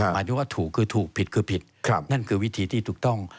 หมายถึงว่าถูกคือถูกผิดคือผิดนั่นคือวิธีที่ถูกต้อง